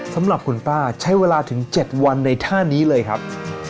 สำหรับคุณป้าใช้เวลาถึง๗วันในท่านี้เลยครับ